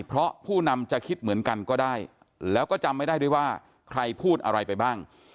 เพราะผู้นำจะคิดเหมือนกันก็ได้แล้วก็จำไม่ได้ด้วยว่าใครพูดอะไรไปบ้าง